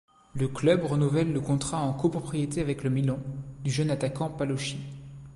Le club renouvelle le contrat en copropriété avec le Milan, du jeune attaquant Paloschi.